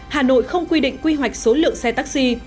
hà nội không quy định quy hoạch số lượng xe taxi